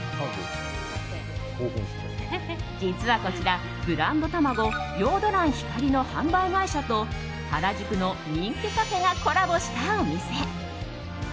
実はこちら、ブランド卵ヨード卵・光の販売会社と原宿の人気カフェがコラボしたお店。